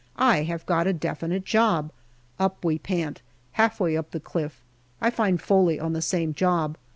I have got a definite job. Up we pant ; half way up the cliff, I find Foley on the same job.